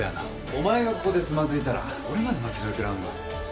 お前がここでつまずいたら俺まで巻き添え食らうんだぞ。